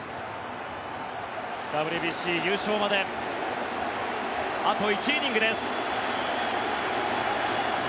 ＷＢＣ優勝まであと１イニングです。